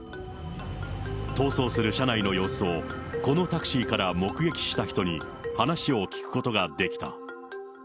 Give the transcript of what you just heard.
逃走する車内の様子を、このタクシーから目撃した人に、話を聞くことができた。